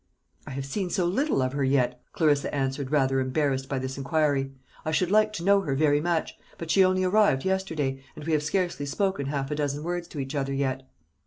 "I have seen so little of her yet," Clarissa answered, rather embarrassed by this inquiry. "I should like to know her very much; but she only arrived yesterday, and we have scarcely spoken half a dozen words to each other yet."